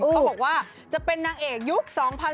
เขาบอกว่าจะเป็นนางเอกยุค๒๐๑๖